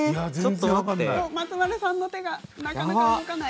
松丸さんの手がなかなか動かない。